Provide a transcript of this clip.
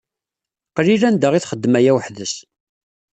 Qlil anda i txeddem aya weḥd-s.